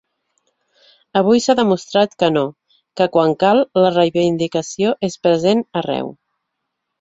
Avui s’ha demostrat que no, que quan cal la reivindicació és present arreu.